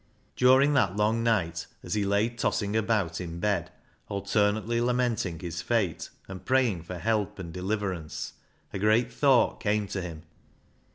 During that long night, as he lay tossing about in bed, alternately lamenting his fate and praying for help and deliverance, a great thought came to him.